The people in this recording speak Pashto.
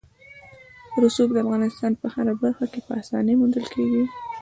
رسوب د افغانستان په هره برخه کې په اسانۍ موندل کېږي.